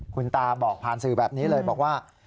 คุณตาบอกผ่านสื่อแบบนี้เลยบอกว่า